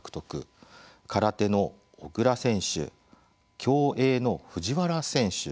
空手の小倉選手競泳の藤原選手